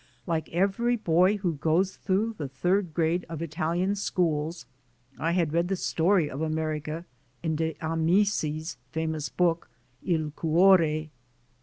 Like every boy who goes through the third grade of Italian schools, I had read the story of America in De Amici's famous book, "II Cuore."